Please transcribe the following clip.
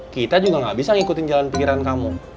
kita juga gak bisa ngikutin jalan pikiran kamu